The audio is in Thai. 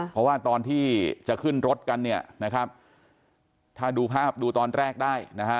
เพราะว่าตอนที่จะขึ้นรถกันเนี่ยนะครับถ้าดูภาพดูตอนแรกได้นะฮะ